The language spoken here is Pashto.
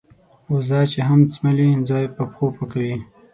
وزه چې هم څملې ځای په پښو پاکوي.